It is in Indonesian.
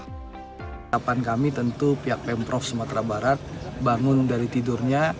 harapan kami tentu pihak pemprov sumatera barat bangun dari tidurnya